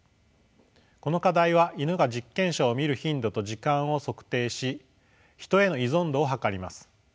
この課題はイヌが実験者を見る頻度と時間を測定しヒトへの依存度を測ります。